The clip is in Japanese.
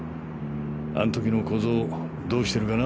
あん時の小僧どうしてるかな？